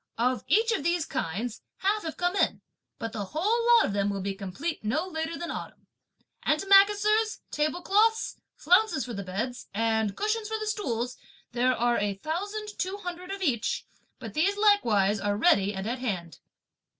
Of each of these kinds, half have come in, but the whole lot of them will be complete no later than autumn. Antimacassars, table cloths, flounces for the beds, and cushions for the stools, there are a thousand two hundred of each, but these likewise are ready and at hand."